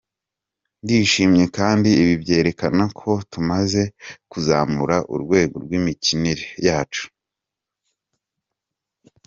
Ndishimye kandi ibi byerekana ko tumaze kuzamura urwego rw’imikinire yacu.